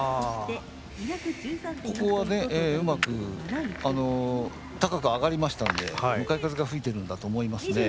ここはねうまく高く上がりましたんで向かい風が吹いてるんだと思いますね。